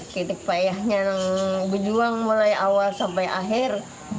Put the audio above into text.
titik payahnya yang berjuang mulai awal sampai akhir